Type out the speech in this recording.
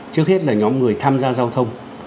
trước hết là nhóm người tham gia giao thông